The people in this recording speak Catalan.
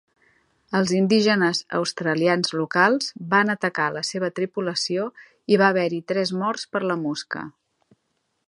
Els indígenes australians locals van atacar la seva tripulació i va haver-hi tres morts per la "mosca".